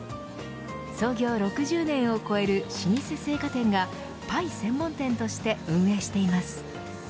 創業６０年を超える老舗青果店がパイ専門店として運営しています。